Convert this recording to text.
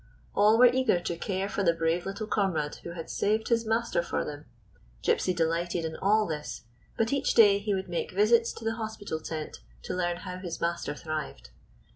All were eager to care for the brave little comrade who had saved his master for them. Gypsy delighted in all this, but each day he would make visits to the hospital tent to learn how his master thrived.